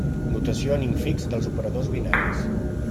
Notació en infix dels operadors binaris.